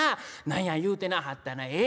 何や言うてなはったなええ？